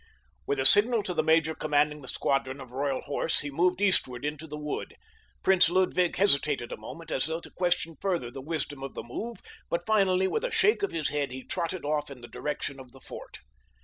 With a signal to the major commanding the squadron of Royal Horse, he moved eastward into the wood. Prince Ludwig hesitated a moment as though to question further the wisdom of the move, but finally with a shake of his head he trotted off in the direction of the fort.